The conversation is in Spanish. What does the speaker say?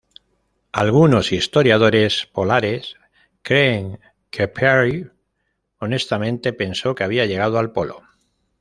Algunos historiadores polares creen que Peary honestamente pensó que había llegado al Polo.